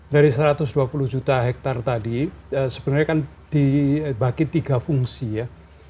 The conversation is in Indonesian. dari satu ratus dua puluh juta hektare tadi sebenarnya kan dibagi tiga fungsi ya